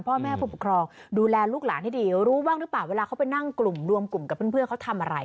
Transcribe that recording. พ่อแม่ผู้ปกครองดูแลลูกหลานให้ดีรู้บ้างหรือเปล่าเวลาเขาไปนั่งกลุ่มรวมกลุ่มกับเพื่อนเขาทำอะไร